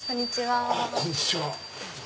こんにちは。